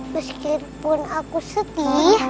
meskipun aku sedih